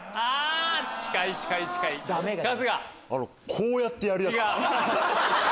こうやってやるやつ。